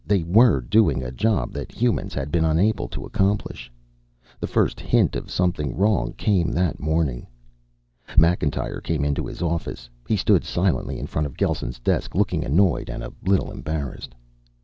They were doing a job that humans had been unable to accomplish. The first hint of something wrong came that morning. Macintyre came into his office. He stood silently in front of Gelsen's desk, looking annoyed and a little embarrassed.